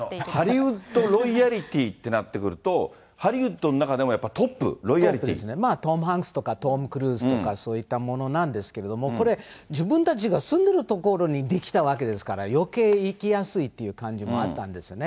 ハリウッド・ロイヤリティーってなってくると、ハリウッドの中でもやっぱりトップ、トム・ハンクスとか、トム・クルーズとか、そういったものなんですけど、これ、自分たちが住んでいる所に出来たわけですから、よけい行きやすいという感じもあったんですね。